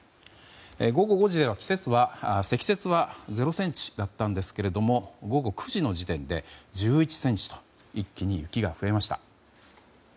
午後５時では積雪は０ｃｍだったんですが午後９時の時点で１１ｃｍと一気に雪が増えました。